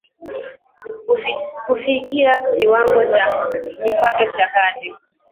kufikia kiwango cha kipato cha kati